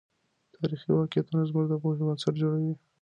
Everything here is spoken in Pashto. تاريخي واقعيتونه زموږ د پوهې بنسټ جوړوي.